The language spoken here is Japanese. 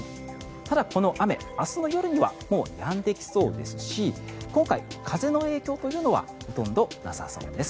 ただ、この雨、明日の夜にはもうやんできそうですし今回、風の影響というのはほとんどなさそうです。